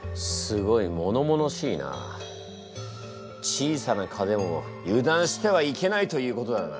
小さな蚊でも油断してはいけないということだな。